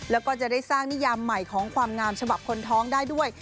แล้วก็จะได้สร้างนิยามใหม่ของความงามฉบับคนท้องได้ด้วย